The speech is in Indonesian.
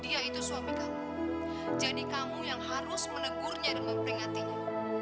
dia itu suami kamu jadi kamu yang harus menegurnya dan memperingatinya